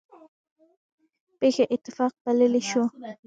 پېښه اتفاق بللی شو.